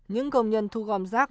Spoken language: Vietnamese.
những công nhân thu gom rác